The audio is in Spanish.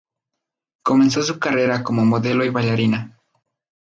Comenzó su carrera como modelo y bailarina.